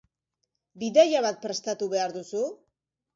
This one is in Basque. Bidaia bat prestatu behar duzu?